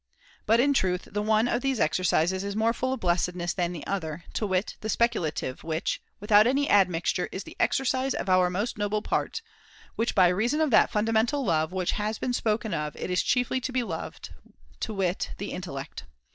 But in truth the one of these exercises is more full of blessedness than the other, to wit the speculative, which, without any admixture, is the exercise of our most noble part, which, by reason of that fundamental love which has been spoken of, is chiefly to be loved, to wit the intellect.